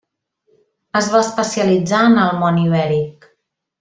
Es va especialitzar en el món ibèric.